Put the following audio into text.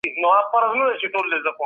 اسلام زموږ ژوند ته رڼا بښي.